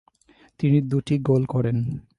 তিনি দুটি গোল করেন।